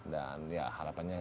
dan ya harapannya